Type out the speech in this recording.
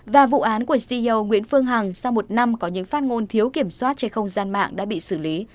và vụ án của ceo nguyễn phương hằng sau một năm có những phát ngôn thiếu kiểm soát trên không gian mạng đã bị xử lý